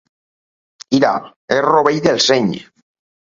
Ira és rovell del seny.